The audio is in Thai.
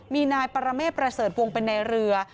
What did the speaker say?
มีนายปรเมฆประเสริฐวงเป็นในเรือ